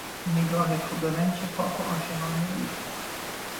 نگاه تو به من چه پاک و عاشقانه بود